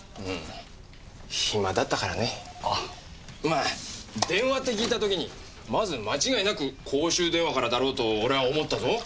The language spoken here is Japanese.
まあ電話って聞いた時にまず間違いなく公衆電話からだろうと俺は思ったぞ。